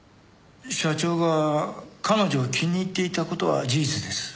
社長が彼女を気に入っていた事は事実です。